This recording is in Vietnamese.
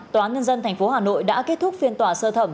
tòa nhân dân tp hà nội đã kết thúc phiên tòa sơ thẩm